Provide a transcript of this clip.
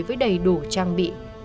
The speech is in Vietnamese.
với đầy đủ trang bị